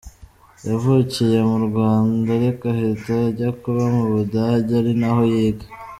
Yavukiye mu Rwanda ariko ahita ajya kuba mu Budage ari naho yiga .